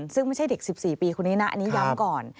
ซึ่งไม่ใช่เด็ก๑๔ปีคนนี้นะอันนี้ย้ำก่อน